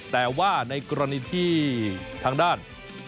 แต่ว่าในกรณีที่ทางด้าน